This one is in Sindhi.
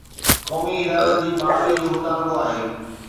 قومي ادارن جي بحالي جو مطالبو آهي.